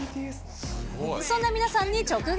そんな皆さんに直撃。